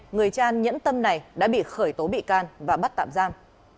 người cha nhẫn tâm này đã bị khởi tố bị can và bắt tạm giam